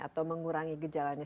atau mengurangi gejalanya